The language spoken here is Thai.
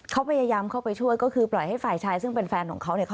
เขาก็อยากไปช่วยผู้หญิงก็ที่ปล่อยให้ฝ่ายชายเป็นเพฟอนของเขา